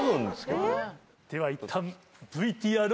ではいったん。